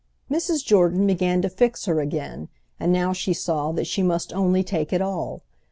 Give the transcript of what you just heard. Mrs. Jordan began to fix her again, and now she saw that she must only take it all.